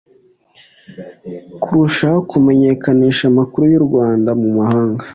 kurushaho kumenyekanisha amakuru y'u rwanda mu mahanga